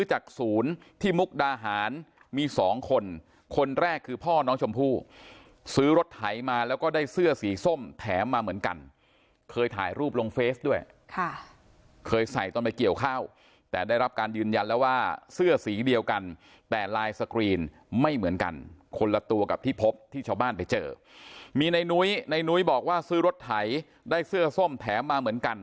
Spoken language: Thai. จากศูนย์ที่มุกดาหารมีสองคนคนแรกคือพ่อน้องชมพู่ซื้อรถไถมาแล้วก็ได้เสื้อสีส้มแถมมาเหมือนกันเคยถ่ายรูปลงเฟซด้วยค่ะเคยใส่ตอนไปเกี่ยวข้าวแต่ได้รับการยืนยันแล้วว่าเสื้อสีเดียวกันแต่ลายสกรีนไม่เหมือนกันคนละตัวกับที่พบที่ชาวบ้านไปเจอมีในนุ้ยในนุ้ยบอกว่าซื้อรถไถได้เสื้อส้มแถมมาเหมือนกัน